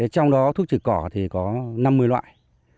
trong đó thuốc trừ cỏ thì có năm mươi loại